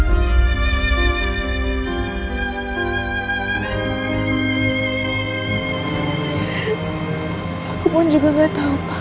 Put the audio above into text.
aku pun juga gak tahu pak